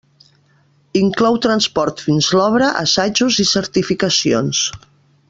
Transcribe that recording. Inclou transport fins obra, assaigs i certificacions.